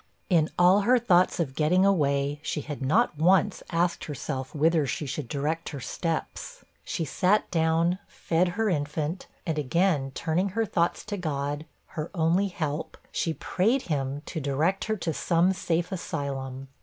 In all her thoughts of getting away, she had not once asked herself whither she should direct her steps. She sat down, fed her infant, and again turning her thoughts to God, her only help, she prayed him to direct her to some safe asylum.